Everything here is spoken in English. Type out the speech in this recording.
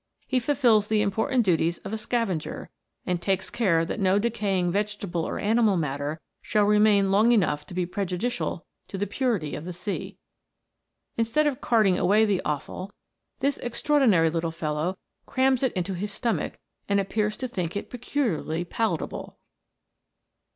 He fulfils the important duties of a sca venger, and takes care that no decaying vegetable or animal matter shall remain long enough to be prejudicial to the purity of the sea. Instead of carting away the offal, this extraordinary little fellow crams it into his stomach, and appears to think it peculiarly palatable.